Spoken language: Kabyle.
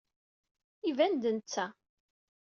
Iban d netta.